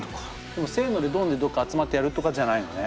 でもせのでドンでどっか集まってやるとかじゃないのね？